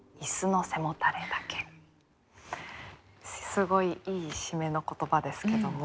すごいいい締めの言葉ですけども。